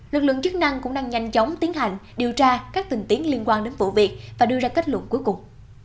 lực lượng chức năng cũng đang nhanh chóng tiến hành điều tra các tình tiến liên quan đến vụ việc và đưa ra kết luận cuối cùng